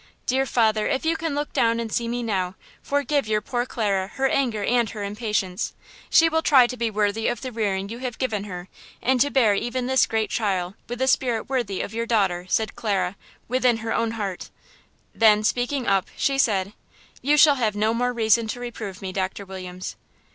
Dear father, if you can look down and see me now, forgive your poor Clara, her anger and her impatience. She will try to be worthy of the rearing you have given her and to bear even this great trial with the spirit worthy of your daughter!" said Clara within her own heart; then, speaking up, she said: "You shall have no more reason to reprove me, Doctor Williams."